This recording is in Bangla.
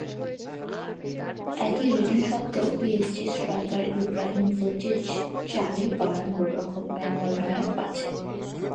একই রেটিং সত্ত্বেও পিএসজি স্ট্রাইকার ইব্রাহিমোভিচ চারে, বায়ার্ন গোলরক্ষক ম্যানুয়েল নয়্যার পাঁচে।